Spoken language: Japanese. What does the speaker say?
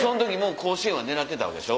甲子園は狙ってたわけでしょ？